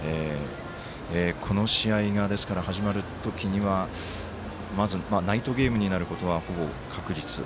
この試合が始まる時にはまずナイトゲームになることはほぼ確実。